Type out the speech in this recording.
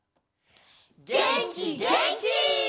げんきげんき！